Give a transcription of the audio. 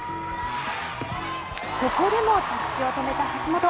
ここでも着地を止めた橋本。